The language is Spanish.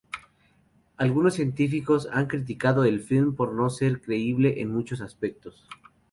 Algunos científicos han criticado el film por no ser creíble en muchos aspectos.